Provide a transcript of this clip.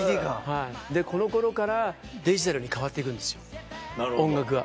この頃からデジタルに変わって行くんですよ音楽が。